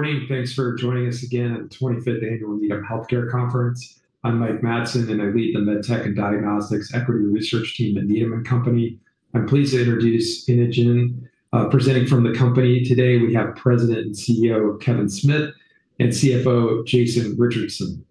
Morning. Thanks for joining us again at the 25th Annual Needham Healthcare Conference. I'm Mike Matson, and I lead the MedTech and Diagnostics Equity Research team at Needham & Company. I'm pleased to introduce Inogen. Presenting from the company today, we have President and CEO, Kevin Smith, and CFO, Jason Richardson.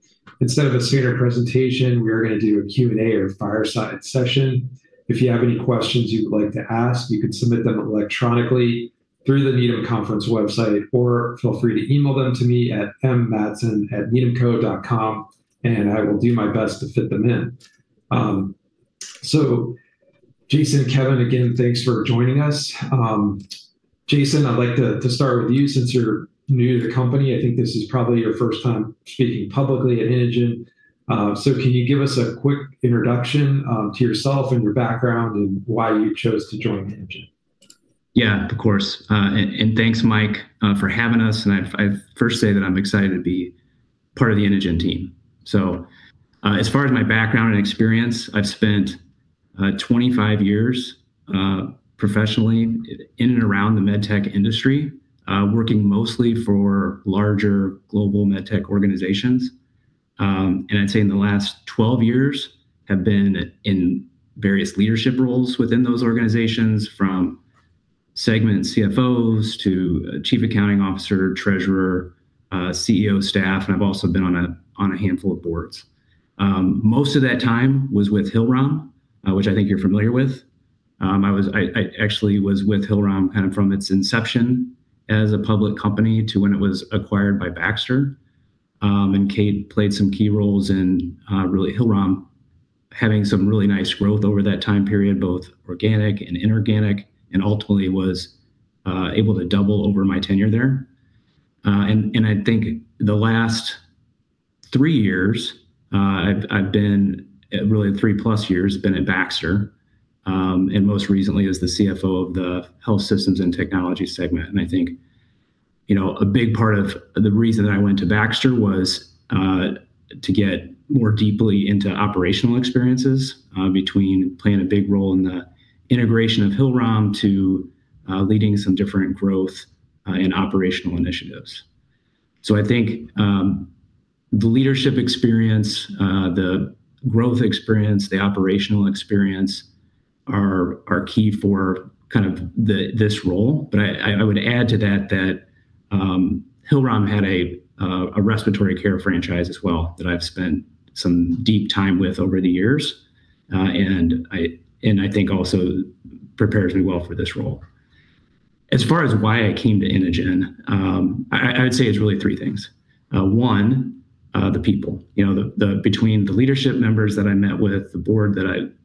Instead of a standard presentation, we are going to do a Q&A or fireside session. If you have any questions you would like to ask, you can submit them electronically through the Needham Conference website, or feel free to email them to me at mmatson@needhamco.com, and I will do my best to fit them in. Jason, Kevin, again, thanks for joining us. Jason, I'd like to start with you. Since you're new to the company, I think this is probably your first time speaking publicly at Inogen. Can you give us a quick introduction to yourself and your background and why you chose to join Inogen? Yeah, of course. Thanks, Mike, for having us. I first say that I'm excited to be part of the Inogen team. As far as my background and experience, I've spent 25 years professionally in and around the MedTech industry, working mostly for larger global MedTech organizations. I'd say in the last 12 years, have been in various leadership roles within those organizations, from segment CFOs to Chief Accounting Officer, Treasurer, CEO staff, and I've also been on a handful of boards. Most of that time was with Hillrom, which I think you're familiar with. I actually was with Hillrom kind of from its inception as a public company to when it was acquired by Baxter, and played some key roles in really Hillrom having some really nice growth over that time period, both organic and inorganic, and ultimately was able to double over my tenure there. I think the last three years, I've been, really 3+ years, at Baxter, and most recently as the CFO of the Health Systems and Technology segment. I think a big part of the reason that I went to Baxter was to get more deeply into operational experiences between playing a big role in the integration of Hillrom to leading some different growth and operational initiatives. I think the leadership experience, the growth experience, the operational experience are key for kind of this role. I would add to that that Hillrom had a respiratory care franchise as well that I've spent some deep time with over the years, and I think also prepares me well for this role. As far as why I came to Inogen, I'd say it's really three things. One, the people. Between the leadership members that I met with, the board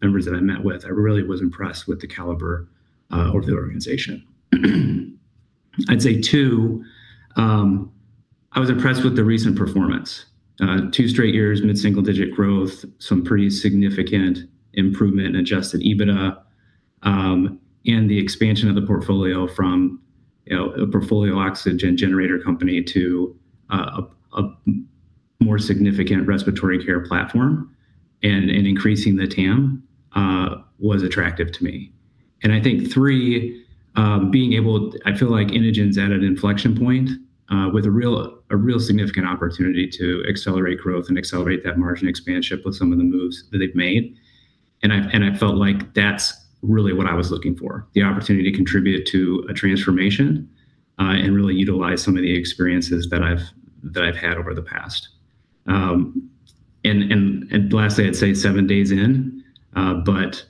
members that I met with, I really was impressed with the caliber of the organization. I'd say two, I was impressed with the recent performance. Two straight years, mid-single digit growth, some pretty significant improvement in adjusted EBITDA, and the expansion of the portfolio from a portfolio oxygen generator company to a more significant respiratory care platform, and increasing the TAM was attractive to me. I think three, I feel like Inogen's at an inflection point, with a real significant opportunity to accelerate growth and accelerate that margin expansion with some of the moves that they've made. I felt like that's really what I was looking for, the opportunity to contribute to a transformation, and really utilize some of the experiences that I've had over the past. Lastly, I'd say seven days in, but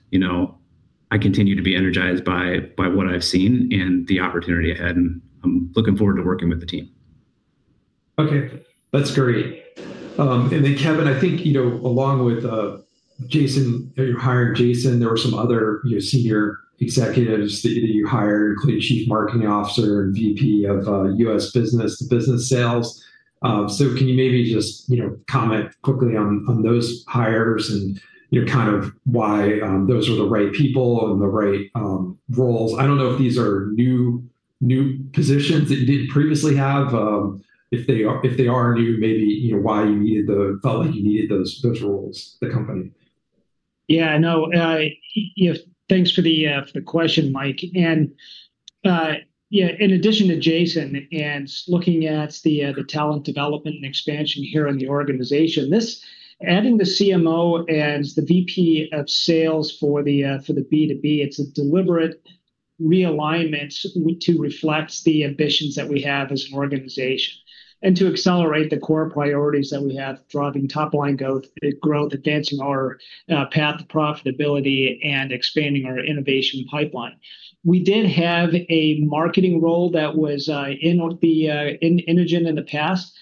I continue to be energized by what I've seen and the opportunity ahead, and I'm looking forward to working with the team. Okay. That's great. Kevin, I think, along with Jason, there were some other senior executives that you hired, including Chief Marketing Officer and VP of US Business-to-Business Sales. Can you maybe just comment quickly on those hires and kind of why those were the right people and the right roles? I don't know if these are new positions that you didn't previously have. If they are new, maybe why you felt like you needed those roles in the company. Yeah, no. Thanks for the question, Mike. In addition to Jason and looking at the talent development and expansion here in the organization, adding the CMO and the VP of Sales for the B2B, it's a deliberate realignment to reflect the ambitions that we have as an organization and to accelerate the core priorities that we have, driving top-line growth, advancing our path to profitability, and expanding our innovation pipeline. We did have a marketing role that was in Inogen in the past.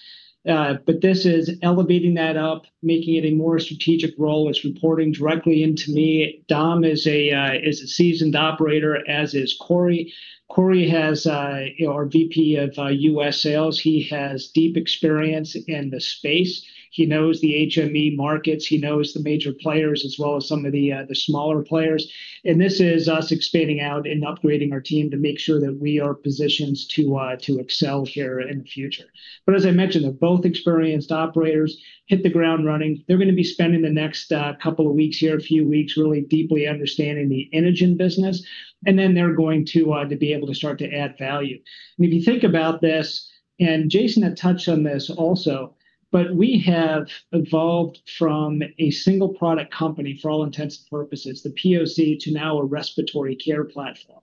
This is elevating that up, making it a more strategic role. It's reporting directly into me. Dom is a seasoned operator, as is Corey. Corey, our VP of US Sales, he has deep experience in the space. He knows the HME markets. He knows the major players as well as some of the smaller players. This is us expanding out and upgrading our team to make sure that we are positioned to excel here in the future. As I mentioned, they're both experienced operators, hit the ground running. They're going to be spending the next few weeks really deeply understanding the Inogen business, and then they're going to be able to start to add value. If you think about this, and Jason had touched on this also, but we have evolved from a single product company, for all intents and purposes, the POC, to now a respiratory care platform,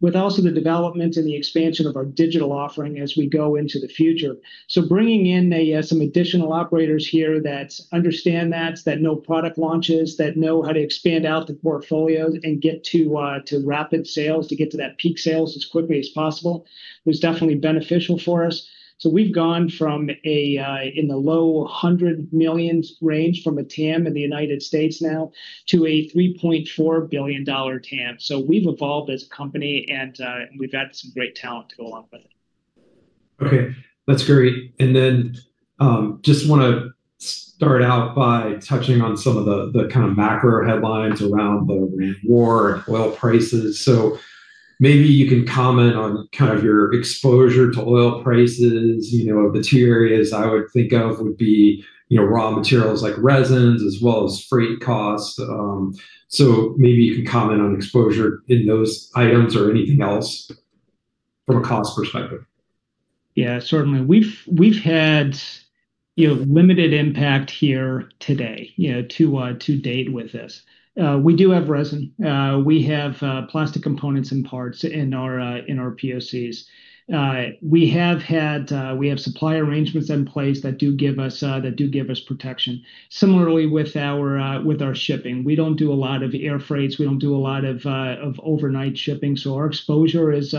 with also the development and the expansion of our digital offering as we go into the future. Bringing in some additional operators here that understand that know product launches, that know how to expand out the portfolio and get to rapid sales to get to that peak sales as quickly as possible, was definitely beneficial for us. We've gone from in the low hundred million range from a TAM in the United States now to a $3.4 billion TAM. We've evolved as a company, and we've added some great talent to go along with it. Okay. That's great. I just want to start out by touching on some of the kind of macro headlines around the war and oil prices. Maybe you can comment on kind of your exposure to oil prices. Materials I would think of would be raw materials like resins, as well as freight cost. Maybe you can comment on exposure in those items or anything else from a cost perspective. Yeah, certainly. We've had limited impact here to date with this. We do have resin. We have plastic components and parts in our POCs. We have supply arrangements in place that do give us protection. Similarly with our shipping, we don't do a lot of air freights, we don't do a lot of overnight shipping, so our exposure is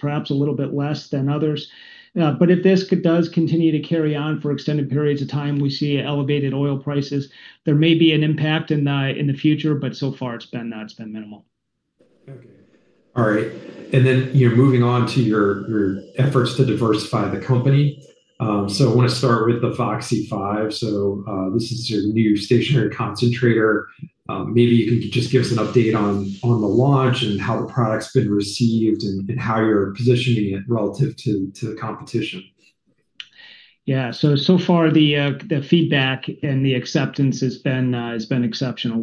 perhaps a little bit less than others. If this does continue to carry on for extended periods of time, we see elevated oil prices, there may be an impact in the future, but so far it's been minimal. Okay. All right. Moving on to your efforts to diversify the company, I want to start with the Voxi 5. This is your new stationary concentrator. Maybe you can just give us an update on the launch and how the product's been received and how you're positioning it relative to the competition. Yeah. So far the feedback and the acceptance has been exceptional.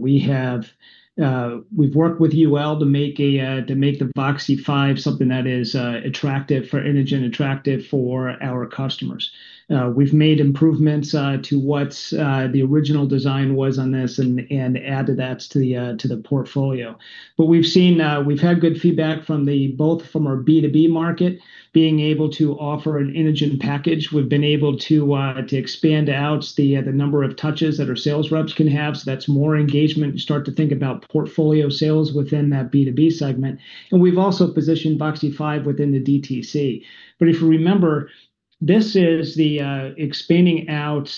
We've worked with UL to make the Voxi 5 something that is attractive for Inogen, attractive for our customers. We've made improvements to what the original design was on this and added that to the portfolio. We've had good feedback both from our B2B market, being able to offer an Inogen package. We've been able to expand out the number of touches that our sales reps can have. That's more engagement. Start to think about portfolio sales within that B2B segment. We've also positioned Voxi 5 within the DTC. If you remember, this is the expanding out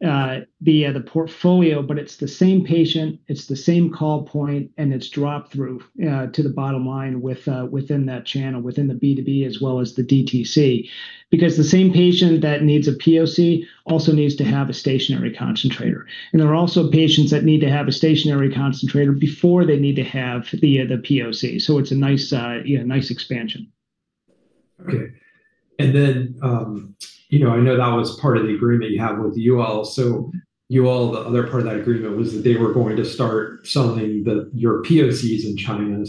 the portfolio, but it's the same patient, it's the same call point, and it's drop through to the bottom line within that channel, within the B2B as well as the DTC. Because the same patient that needs a POC also needs to have a stationary concentrator. There are also patients that need to have a stationary concentrator before they need to have the POC. It's a nice expansion. Okay. I know that was part of the agreement you have with Yuwell. The other part of that agreement was that they were going to start selling your POCs in China.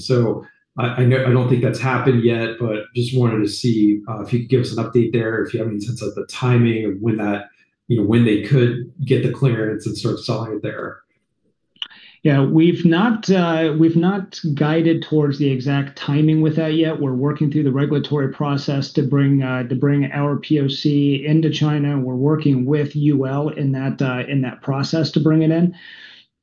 I don't think that's happened yet, but just wanted to see if you could give us an update there, if you have any sense of the timing of when they could get the clearance and start selling it there. Yeah. We've not guided towards the exact timing with that yet. We're working through the regulatory process to bring our POC into China, and we're working with Yuwell in that process to bring it in.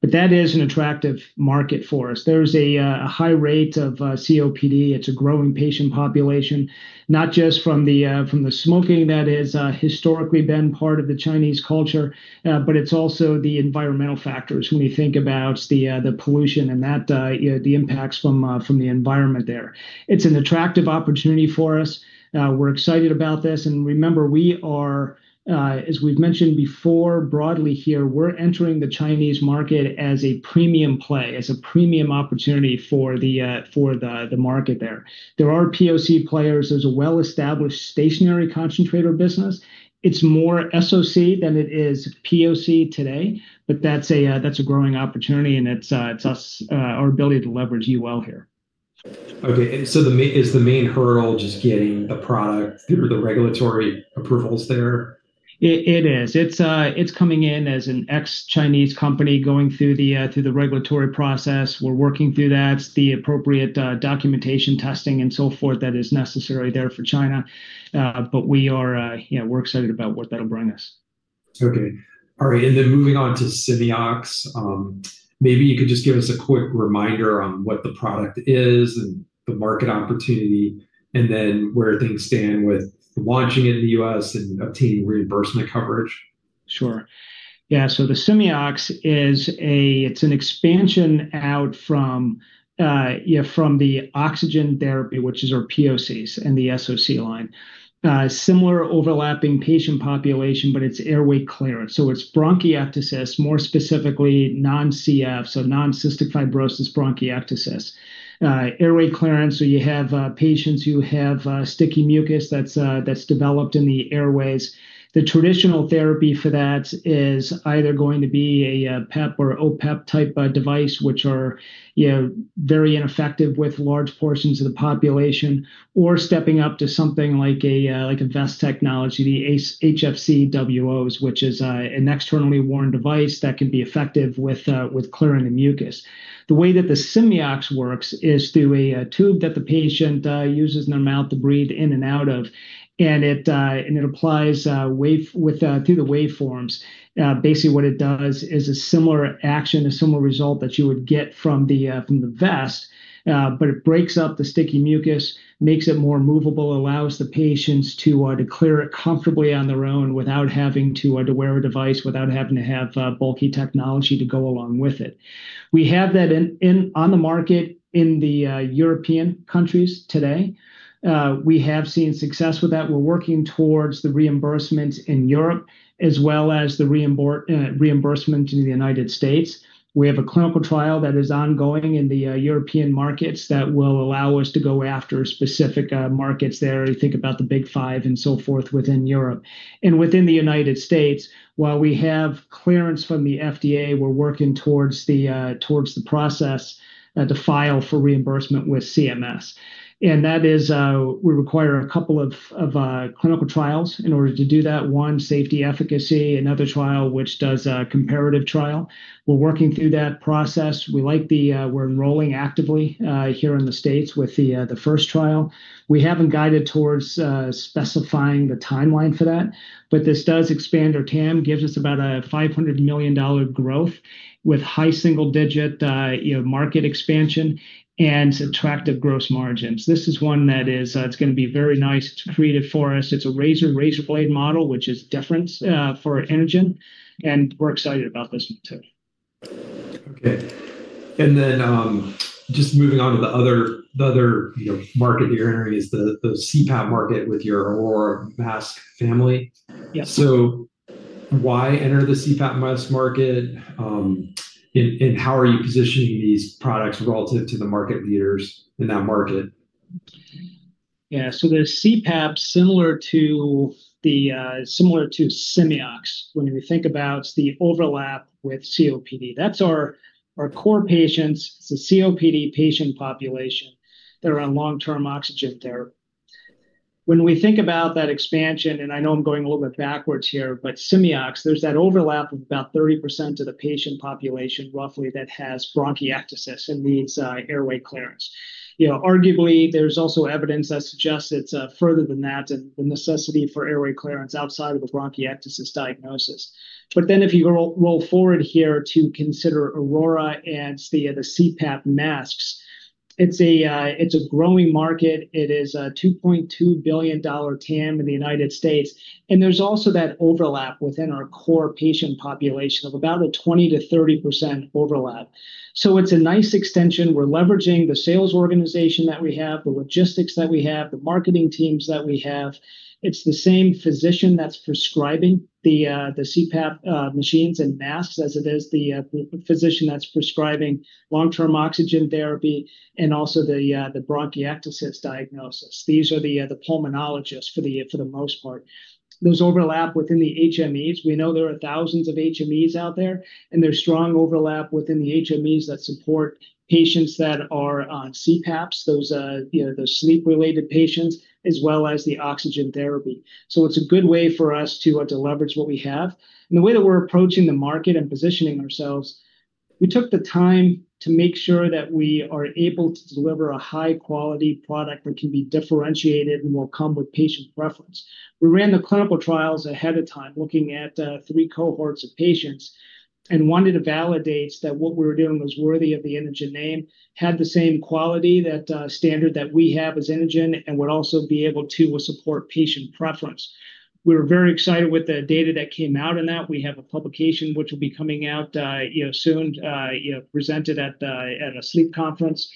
That is an attractive market for us. There's a high rate of COPD. It's a growing patient population, not just from the smoking that is historically been part of the Chinese culture, but it's also the environmental factors when you think about the pollution and the impacts from the environment there. It's an attractive opportunity for us. We're excited about this, and remember, as we've mentioned before broadly here, we're entering the Chinese market as a premium play, as a premium opportunity for the market there. There are POC players. There's a well-established stationary concentrator business. It's more SOC than it is POC today. That's a growing opportunity and it's our ability to leverage Yuwell here. Okay. Is the main hurdle just getting the product through the regulatory approvals there? It is. It's coming in as a Chinese company going through the regulatory process. We're working through that, the appropriate documentation, testing, and so forth that is necessary there for China. We're excited about what that'll bring us. Okay. All right. Moving on to Simeox. Maybe you could just give us a quick reminder on what the product is and the market opportunity, and then where things stand with launching it in the U.S. and obtaining reimbursement coverage. Sure. Yeah. Simeox is an expansion out from the oxygen therapy, which is our POCs and the SOC line. Similar overlapping patient population, but it's airway clearance. It's bronchiectasis, more specifically non-CF, so non-cystic fibrosis bronchiectasis. Airway clearance, so you have patients who have sticky mucus that's developed in the airways. The traditional therapy for that is either going to be a PEP or OPEP type device, which are very ineffective with large portions of the population, or stepping up to something like a vest technology, the HFCWOs, which is an externally worn device that can be effective with clearing the mucus. The way that the Simeox works is through a tube that the patient uses in their mouth to breathe in and out of, and it applies through the waveforms. Basically what it does is a similar action, a similar result that you would get from the vest, but it breaks up the sticky mucus, makes it more movable, allows the patients to clear it comfortably on their own without having to wear a device, without having to have bulky technology to go along with it. We have that on the market in the European countries today. We have seen success with that. We're working towards the reimbursements in Europe as well as the reimbursement in the United States. We have a clinical trial that is ongoing in the European markets that will allow us to go after specific markets there. Think about the Big Five and so forth within Europe. Within the United States, while we have clearance from the FDA, we're working towards the process to file for reimbursement with CMS. That is, we require a couple of clinical trials in order to do that. One, safety efficacy, another trial which does a comparative trial. We're working through that process. We're enrolling actively here in the States with the first trial. We haven't guided towards specifying the timeline for that, but this does expand our TAM, gives us about a $500 million growth with high single-digit market expansion and attractive gross margins. This is one that is going to be very nice, accretive for us. It's a razor/razor blade model, which is different for Inogen, and we're excited about this one too. Okay. Just moving on to the other market you're entering is the CPAP market with your Aurora mask family. Yep. Why enter the CPAP mask market, and how are you positioning these products relative to the market leaders in that market? Yeah. The CPAP's similar to Simeox. When we think about the overlap with COPD, that's our core patients. It's the COPD patient population that are on long-term oxygen therapy. When we think about that expansion, and I know I'm going a little bit backwards here, but Simeox, there's that overlap of about 30% of the patient population, roughly, that has bronchiectasis and needs airway clearance. Arguably, there's also evidence that suggests it's further than that and the necessity for airway clearance outside of a bronchiectasis diagnosis. If you roll forward here to consider Aurora and the CPAP masks, it's a growing market. It is a $2.2 billion TAM in the United States, and there's also that overlap within our core patient population of about a 20%-30% overlap. It's a nice extension. We're leveraging the sales organization that we have, the logistics that we have, the marketing teams that we have. It's the same physician that's prescribing the CPAP machines and masks as it is the physician that's prescribing long-term oxygen therapy and also the bronchiectasis diagnosis. These are the pulmonologists for the most part. There's overlap within the HMEs. We know there are thousands of HMEs out there, and there's strong overlap within the HMEs that support patients that are on CPAPs, those sleep-related patients, as well as the oxygen therapy. It's a good way for us to leverage what we have. The way that we're approaching the market and positioning ourselves, we took the time to make sure that we are able to deliver a high-quality product that can be differentiated and will come with patient preference. We ran the clinical trials ahead of time, looking at three cohorts of patients, and wanted to validate that what we were doing was worthy of the Inogen name, had the same quality, that standard that we have as Inogen, and would also be able to support patient preference. We were very excited with the data that came out in that. We have a publication which will be coming out soon, presented at a sleep conference.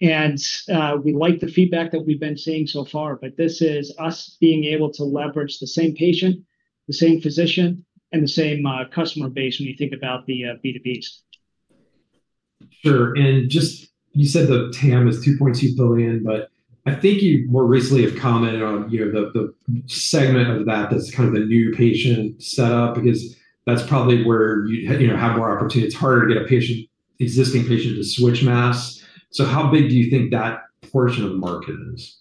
We like the feedback that we've been seeing so far, but this is us being able to leverage the same patient, the same physician, and the same customer base when you think about the B2Bs. Sure. You said the TAM is $2.2 billion, but I think you more recently have commented on the segment of that that's kind of the new patient setup, because that's probably where you have more opportunity. It's harder to get an existing patient to switch masks. How big do you think that portion of the market is?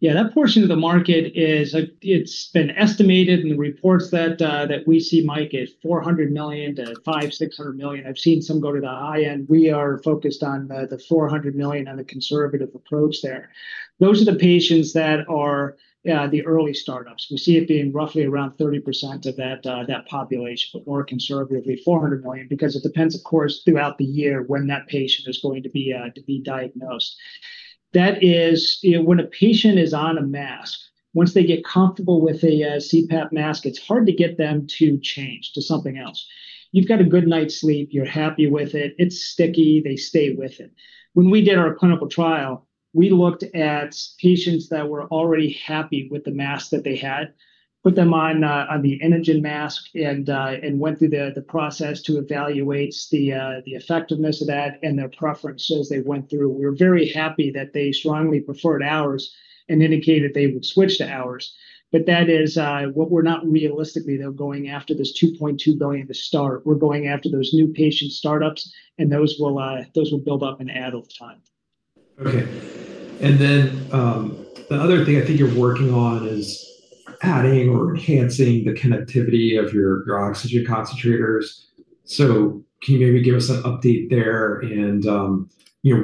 Yeah, that portion of the market, it's been estimated in the reports that we see, Mike, at $400 million-$500 million-$600 million. I've seen some go to the high end. We are focused on the $400 million on the conservative approach there. Those are the patients that are the early startups. We see it being roughly around 30% of that population, but more conservatively $400 million, because it depends, of course, throughout the year when that patient is going to be diagnosed. That is when a patient is on a mask. Once they get comfortable with a CPAP mask, it's hard to get them to change to something else. You've got a good night's sleep, you're happy with it's sticky, they stay with it. When we did our clinical trial, we looked at patients that were already happy with the mask that they had, put them on the Inogen mask, and went through the process to evaluate the effectiveness of that and their preference as they went through. We were very happy that they strongly preferred ours and indicated they would switch to ours. That is what we're not realistically, though, going after this $2.2 billion to start. We're going after those new patient startups, and those will build up and add over time. Okay. The other thing I think you're working on is adding or enhancing the connectivity of your oxygen concentrators. Can you maybe give us an update there and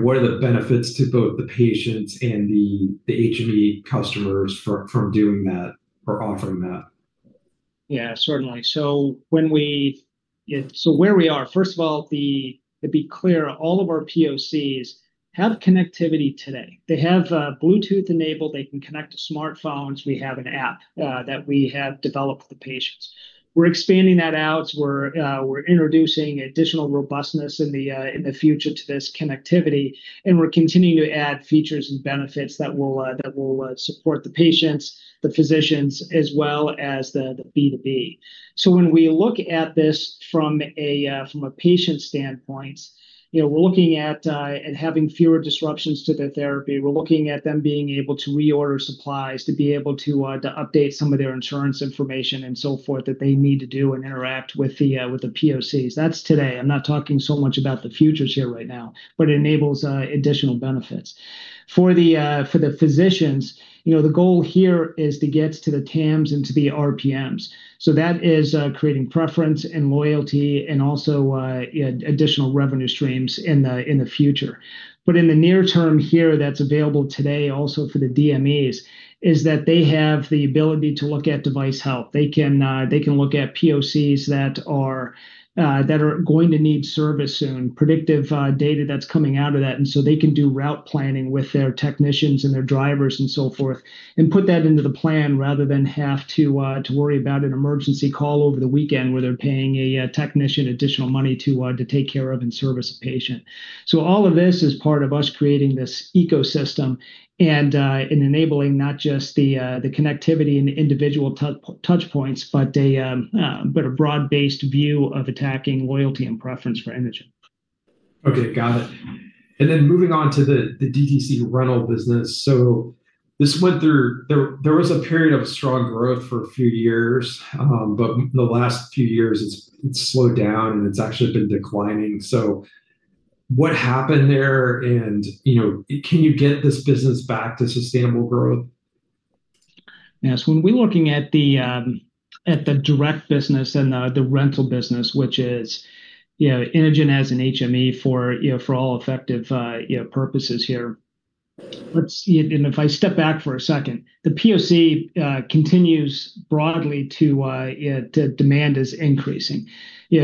what are the benefits to both the patients and the HME customers from doing that or offering that? Yeah, certainly. Where we are, first of all, to be clear, all of our POCs have connectivity today. They have Bluetooth enabled. They can connect to smartphones. We have an app that we have developed for patients. We're expanding that out. We're introducing additional robustness in the future to this connectivity, and we're continuing to add features and benefits that will support the patients, the physicians, as well as the B2B. When we look at this from a patient standpoint, we're looking at and having fewer disruptions to their therapy. We're looking at them being able to reorder supplies, to be able to update some of their insurance information and so forth that they need to do and interact with the POCs. That's today. I'm not talking so much about the future here right now, but it enables additional benefits. For the physicians, the goal here is to get to the TAMs and to the RPMs. That is creating preference and loyalty and also additional revenue streams in the future. In the near term here, that's available today also for the DMEs is that they have the ability to look at device health. They can look at POCs that are going to need service soon, predictive data that's coming out of that, and so they can do route planning with their technicians and their drivers and so forth and put that into the plan rather than have to worry about an emergency call over the weekend where they're paying a technician additional money to take care of and service a patient. All of this is part of us creating this ecosystem and enabling not just the connectivity and the individual touchpoints, but a broad-based view of attacking loyalty and preference for Inogen. Okay, got it. Moving on to the DTC rental business, there was a period of strong growth for a few years, but the last few years it's slowed down and it's actually been declining. What happened there and can you get this business back to sustainable growth? Yes, when we're looking at the direct business and the rental business, which is Inogen as an HME for all effective purposes here. If I step back for a second, demand is increasing.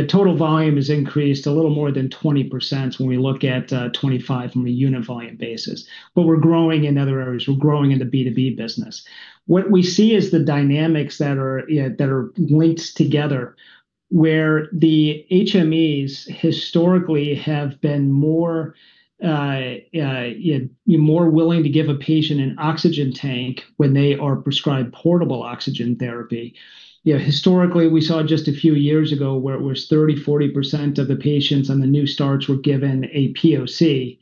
Total volume has increased a little more than 20% when we look at 2025 from a unit volume basis. We're growing in other areas. We're growing in the B2B business. What we see is the dynamics that are linked together, where the HMEs historically have been more willing to give a patient an oxygen tank when they are prescribed portable oxygen therapy. Historically, we saw just a few years ago where it was 30%-40% of the patients on the new starts were given a POC.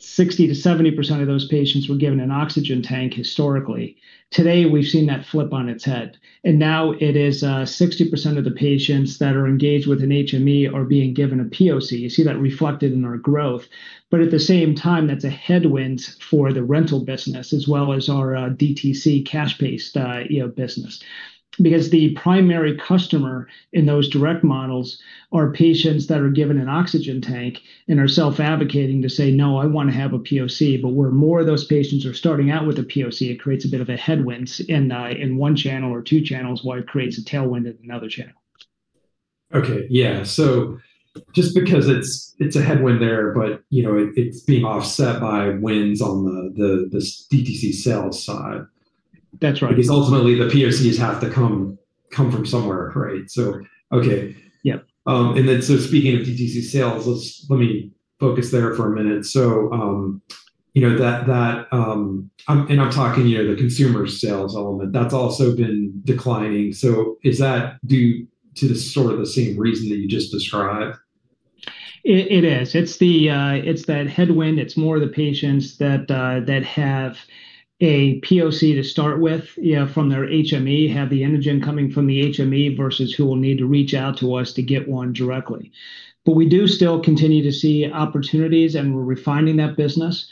60%-70% of those patients were given an oxygen tank historically. Today, we've seen that flip on its head, and now it is 60% of the patients that are engaged with an HME are being given a POC. You see that reflected in our growth. At the same time, that's a headwind for the rental business as well as our DTC cash-based business because the primary customer in those direct models are patients that are given an oxygen tank and are self-advocating to say, No, I want to have a POC. Where more of those patients are starting out with a POC, it creates a bit of a headwind in one channel or two channels while it creates a tailwind in another channel. Okay. Yeah. Just because it's a headwind there, but it's being offset by winds on the DTC sales side. That's right. Because ultimately, the POCs have to come from somewhere, right? Okay. Yep. Speaking of DTC sales, let me focus there for a minute. I'm talking the consumer sales element. That's also been declining. Is that due to the sort of the same reason that you just described? It is. It's that headwind. It's more the patients that have a POC to start with from their HME, have the Inogen coming from the HME versus who will need to reach out to us to get one directly. We do still continue to see opportunities, and we're refining that business.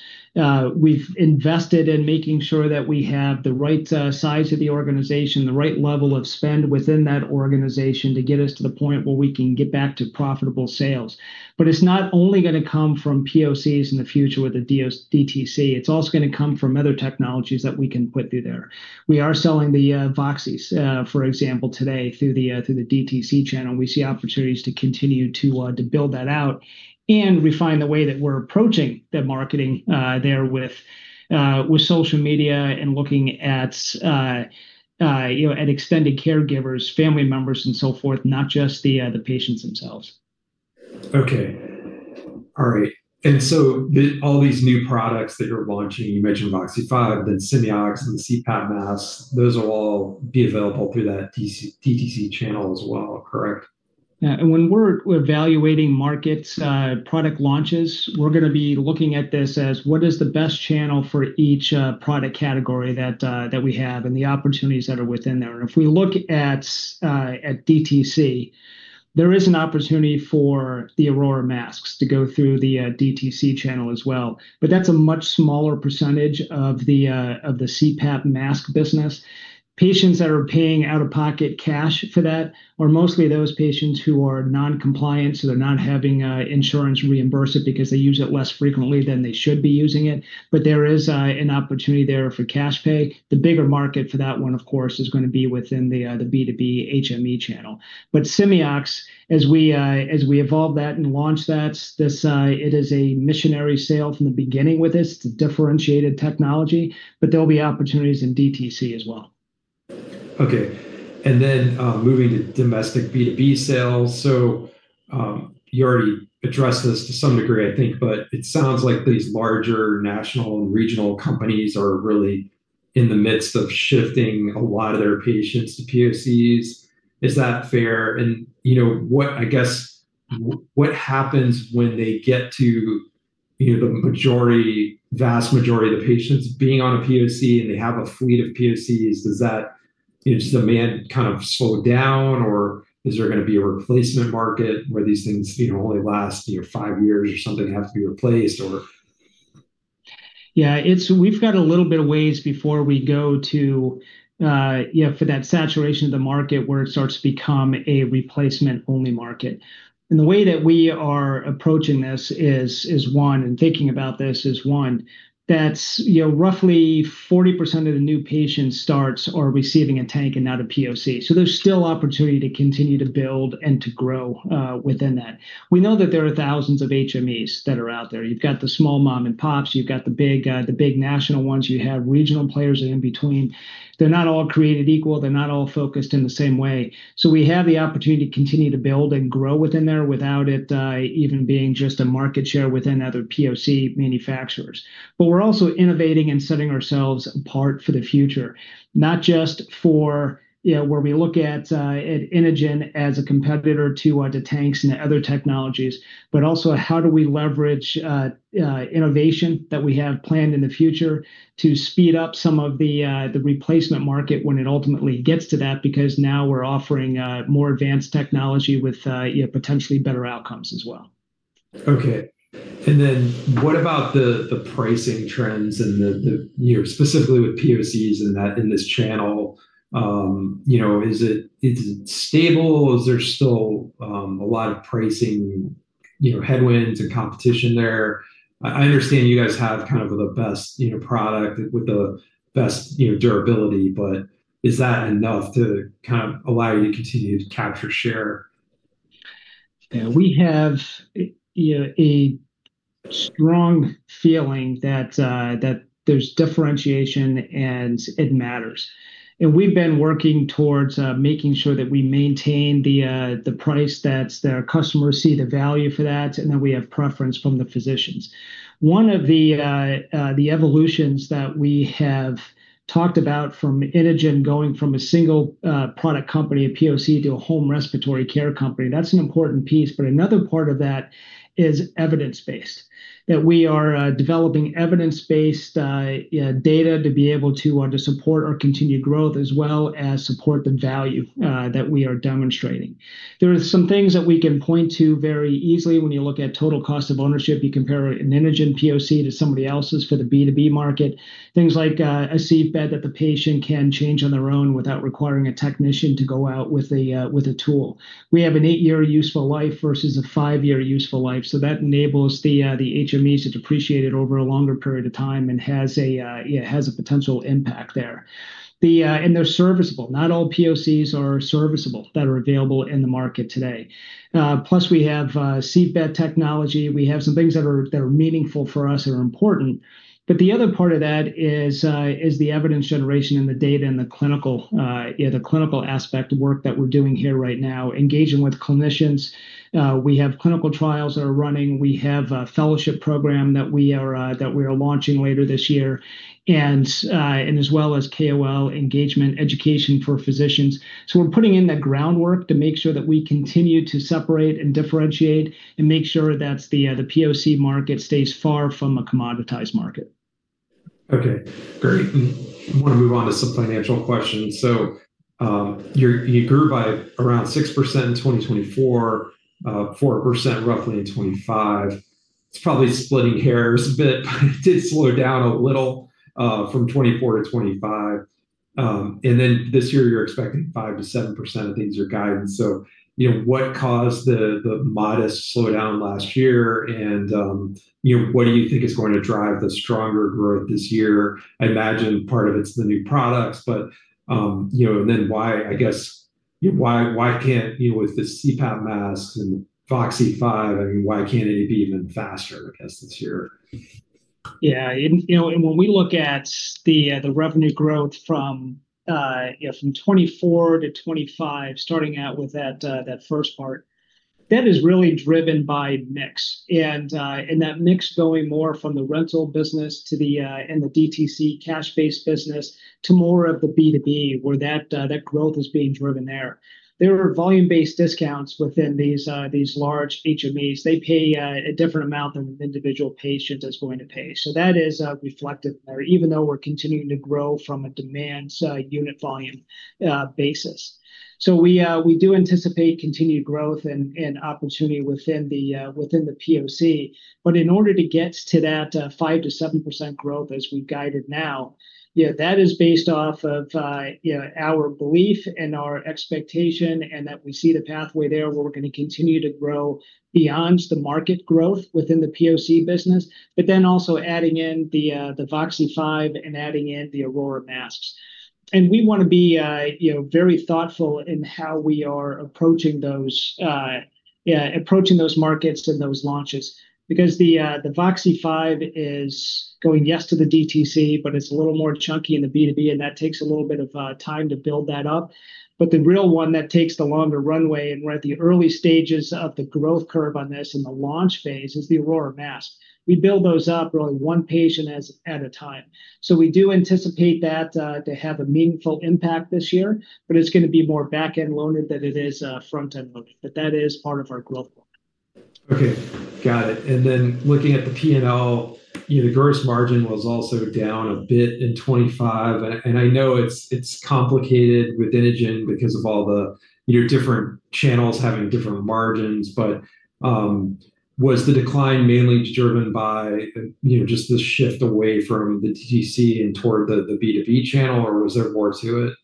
We've invested in making sure that we have the right size of the organization, the right level of spend within that organization to get us to the point where we can get back to profitable sales. It's not only going to come from POCs in the future with the DTC, it's also going to come from other technologies that we can put through there. We are selling the Voxi 5s, for example, today through the DTC channel. We see opportunities to continue to build that out and refine the way that we're approaching the marketing there with social media and looking at extended caregivers, family members, and so forth, not just the patients themselves. Okay. All right. All these new products that you're launching, you mentioned Voxi 5, then Simeox and the CPAP masks, those will all be available through that DTC channel as well, correct? Yeah. When we're evaluating markets, product launches, we're going to be looking at this as what is the best channel for each product category that we have and the opportunities that are within there. If we look at DTC, there is an opportunity for the Aurora masks to go through the DTC channel as well. That's a much smaller percentage of the CPAP mask business. Patients that are paying out-of-pocket cash for that are mostly those patients who are non-compliant, so they're not having insurance reimburse it because they use it less frequently than they should be using it. There is an opportunity there for cash pay. The bigger market for that one, of course, is going to be within the B2B HME channel. Simeox, as we evolve that and launch that, it is a missionary sale from the beginning with this. It's a differentiated technology, but there'll be opportunities in DTC as well. Okay. Moving to domestic B2B sales. You already addressed this to some degree, I think, but it sounds like these larger national and regional companies are really in the midst of shifting a lot of their patients to POCs. Is that fair? I guess what happens when they get to the vast majority of the patients being on a POC and they have a fleet of POCs, does that demand kind of slow down, or is there going to be a replacement market where these things only last five years or something, have to be replaced? Yeah. We've got a little bit of ways before we go for that saturation of the market where it starts to become a replacement-only market. The way that we are approaching this is one, and thinking about this is one, that roughly 40% of the new patient starts are receiving a tank and not a POC. There's still opportunity to continue to build and to grow within that. We know that there are thousands of HMEs that are out there. You've got the small mom and pops, you've got the big national ones, you have regional players in between. They're not all created equal. They're not all focused in the same way. We have the opportunity to continue to build and grow within there without it even being just a market share within other POC manufacturers. We're also innovating and setting ourselves apart for the future, not just for where we look at Inogen as a competitor to tanks and other technologies, but also how do we leverage innovation that we have planned in the future to speed up some of the replacement market when it ultimately gets to that, because now we're offering more advanced technology with potentially better outcomes as well. Okay. What about the pricing trends and specifically with POCs in this channel, is it stable? Is there still a lot of pricing headwinds and competition there? I understand you guys have kind of the best product with the best durability, but is that enough to kind of allow you to continue to capture share? Yeah, we have a strong feeling that there's differentiation, and it matters. We've been working towards making sure that we maintain the price that our customers see the value for that, and that we have preference from the physicians. One of the evolutions that we have talked about from Inogen going from a single product company, a POC, to a home respiratory care company, that's an important piece. Another part of that is evidence-based, that we are developing evidence-based data to be able to support our continued growth as well as support the value that we are demonstrating. There are some things that we can point to very easily. When you look at total cost of ownership, you compare an Inogen POC to somebody else's for the B2B market. Things like a sieve bed that the patient can change on their own without requiring a technician to go out with a tool. We have an eight-year useful life versus a five-year useful life, so that enables the HMEs to depreciate it over a longer period of time and it has a potential impact there. They're serviceable. Not all POCs are serviceable that are available in the market today. Plus we have sieve bed technology. We have some things that are meaningful for us, that are important. The other part of that is the evidence generation and the data and the clinical aspect work that we're doing here right now, engaging with clinicians. We have clinical trials that are running. We have a fellowship program that we are launching later this year, and as well as KOL engagement education for physicians. We're putting in the groundwork to make sure that we continue to separate and differentiate and make sure that the POC market stays far from a commoditized market. Okay, great. I want to move on to some financial questions. You grew by around 6% in 2024, 4% roughly in 2025. It's probably splitting hairs a bit, but it did slow down a little from 2024 to 2025. This year you're expecting 5%-7%, I think, is your guidance. What caused the modest slowdown last year, and what do you think is going to drive the stronger growth this year? I imagine part of it's the new products. I guess with the CPAP masks and Voxi 5, why can't it be even faster I guess this year? Yeah. When we look at the revenue growth from 2024-2025, starting out with that first part, that is really driven by mix, that mix going more from the rental business and the DTC cash-based business to more of the B2B, where that growth is being driven there. There are volume-based discounts within these large HMOs. They pay a different amount than individual patients is going to pay. That is reflected there, even though we're continuing to grow from a demand unit volume basis. We do anticipate continued growth and opportunity within the POC. In order to get to that 5%-7% growth as we guided now, that is based off of our belief and our expectation and that we see the pathway there where we're going to continue to grow beyond the market growth within the POC business, but then also adding in the Voxi 5 and adding in the Aurora masks. We want to be very thoughtful in how we are approaching those markets and those launches because the Voxi 5 is going, yes, to the DTC, but it's a little more chunky in the B2B, and that takes a little bit of time to build that up. The real one that takes the longer runway, and we're at the early stages of the growth curve on this and the launch phase, is the Aurora mask. We build those up really one patient at a time. We do anticipate that to have a meaningful impact this year, but it's going to be more back-end loaded than it is front-end loaded. That is part of our growth plan. Okay. Got it. Looking at the P&L, the gross margin was also down a bit in 2025. I know it's complicated with Inogen because of all your different channels having different margins. Was the decline mainly driven by just the shift away from the DTC and toward the B2B channel, or was there more to it?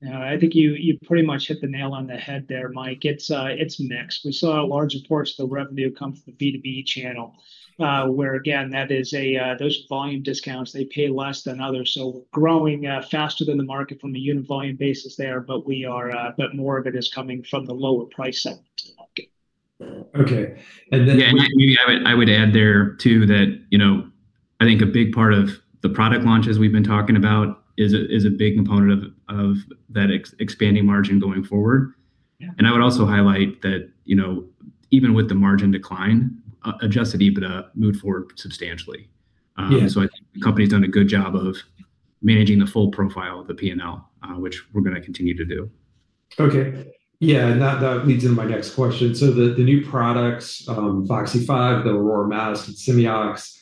No, I think you pretty much hit the nail on the head there, Mike. It's mixed. We saw large portions of the revenue come from the B2B channel, where again, those volume discounts, they pay less than others. We're growing faster than the market from a unit volume basis there, but more of it is coming from the lower price segment of the market. Okay. Yeah, maybe I would add there too that I think a big part of the product launches we've been talking about is a big component of that expanding margin going forward. Yeah. I would also highlight that even with the margin decline, adjusted EBITDA moved forward substantially. Yeah. I think the company's done a good job of managing the full profile of the P&L, which we're going to continue to do. Okay. Yeah, that leads into my next question. The new products, Voxi 5, the Aurora mask, and Simeox,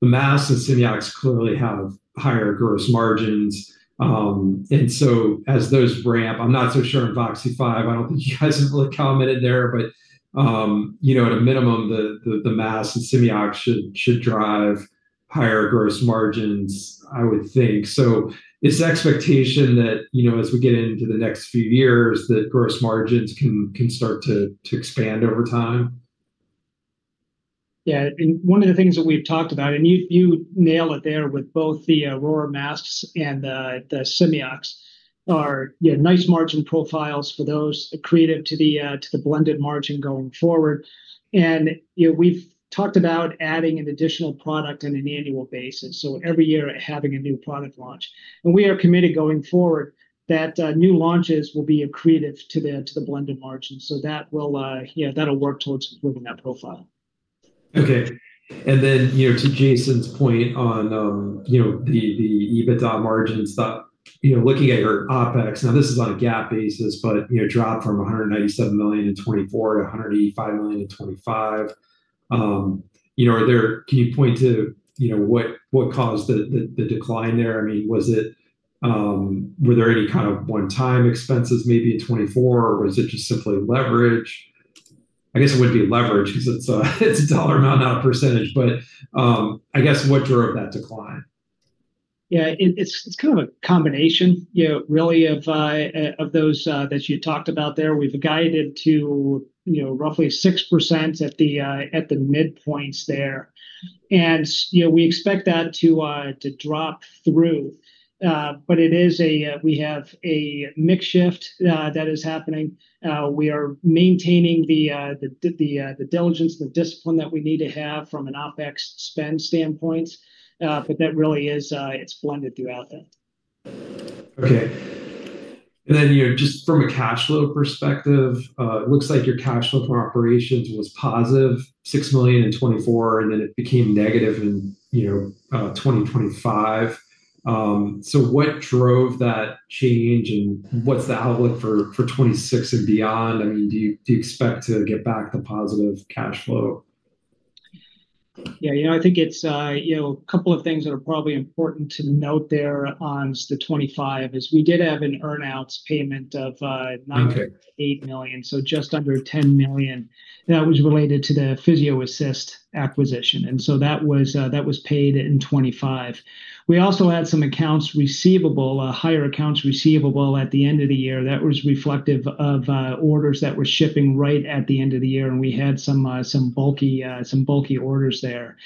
the masks and Simeox clearly have higher gross margins. As those ramp, I'm not so sure on Voxi 5, I don't think you guys have really commented there, but at a minimum, the mask and Simeox should drive higher gross margins, I would think. Is the expectation that as we get into the next few years, that gross margins can start to expand over time? Yeah. One of the things that we've talked about, and you nail it there with both the Aurora masks and the Simeox, are nice margin profiles for those accretive to the blended margin going forward. We've talked about adding an additional product on an annual basis, every year having a new product launch. We are committed going forward that new launches will be accretive to the blended margins. That'll work towards improving that profile. Okay. To Jason's point on the EBITDA margins, looking at your OpEx, now this is on a GAAP basis, but dropped from $197 million in 2024 to $185 million in 2025. Can you point to what caused the decline there? Were there any kind of one-time expenses maybe in 2024, or was it just simply leverage? I guess it wouldn't be leverage because it's a dollar amount, not a percentage, but I guess what drove that decline? Yeah. It's kind of a combination really of those that you talked about there. We've guided to roughly 6% at the midpoints there. We expect that to drop through. We have a mix shift that is happening. We are maintaining the diligence, the discipline that we need to have from an OpEx spend standpoint. That really is blended throughout that. Okay. Just from a cash flow perspective, it looks like your cash flow from operations was positive, $6 million in 2024, and then it became negative in 2025. What drove that change, and what's the outlook for 2026 and beyond? Do you expect to get back the positive cash flow? Yeah. I think it's a couple of things that are probably important to note there on the 2025 is we did have an earn-outs payment of $9.8 million. Okay. Just under $10 million. That was related to the PhysioAssist acquisition, and so that was paid in 2025. We also had some accounts receivable, higher accounts receivable at the end of the year. That was reflective of orders that were shipping right at the end of the year, and we had some bulky orders there.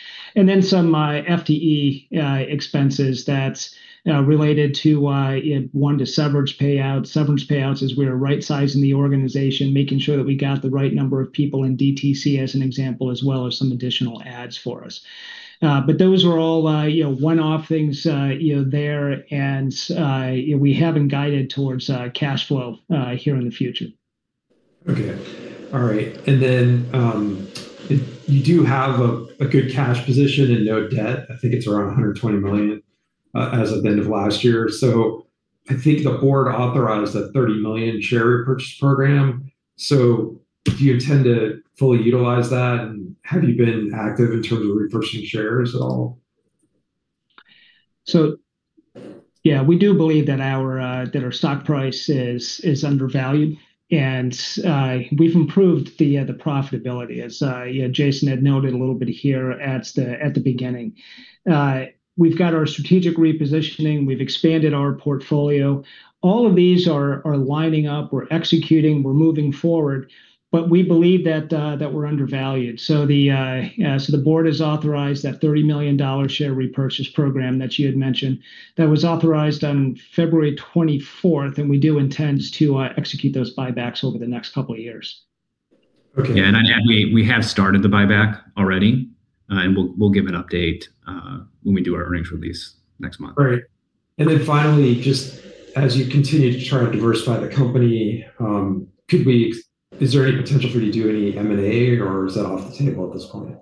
Some FTE expenses that's related to one, the severance payouts. Severance payouts as we are rightsizing the organization, making sure that we got the right number of people in DTC, as an example, as well as some additional adds for us. Those were all one-off things there, and we haven't guided towards cash flow here in the future. Okay. All right. You do have a good cash position and no debt. I think it's around $120 million as of end of last year. I think the Board authorized that $30 million share repurchase program. Do you intend to fully utilize that? Have you been active in terms of repurchasing shares at all? Yeah, we do believe that our stock price is undervalued, and we've improved the profitability, as Jason had noted a little bit here at the beginning. We've got our strategic repositioning. We've expanded our portfolio. All of these are lining up. We're executing, we're moving forward, but we believe that we're undervalued. The Board has authorized that $30 million share repurchase program that you had mentioned that was authorized on February 24th, and we do intend to execute those buybacks over the next couple of years. Okay. Yeah. We have started the buyback already. We'll give an update when we do our earnings release next month. Right. And then finally, just as you continue to try to diversify the company, is there any potential for you to do any M&A, or is that off the table at this point?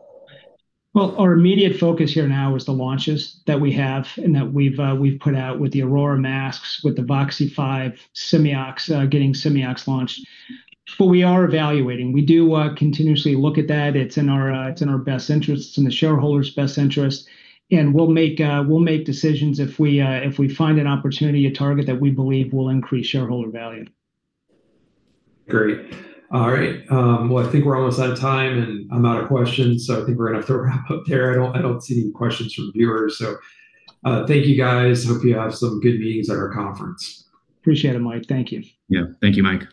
Well, our immediate focus here now is the launches that we have and that we've put out with the Aurora masks, with the Voxi 5, getting Simeox launched. We are evaluating. We do continuously look at that. It's in our best interest, it's in the shareholders' best interest. We'll make decisions if we find an opportunity, a target that we believe will increase shareholder value. Great. All right. Well, I think we're almost out of time, and I'm out of questions, so I think we're going to have to wrap up there. I don't see any questions from viewers. Thank you, guys. Hope you have some good meetings at our conference. Appreciate it, Mike. Thank you. Yeah. Thank you, Mike.